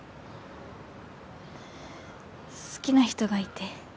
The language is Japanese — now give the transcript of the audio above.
好きな人がいて。